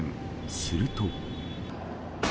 すると。